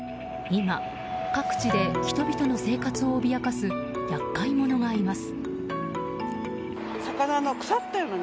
今、各地で人々の生活を脅かす厄介者がいます。